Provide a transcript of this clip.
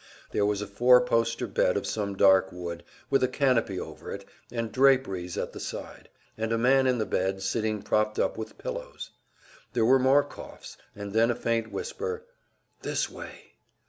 There was a four poster bed of some dark wood, with a canopy over it and draperies at the side, and a man in the bed, sitting propped up with pillows. There were more coughs, and then a faint whisper, "This way."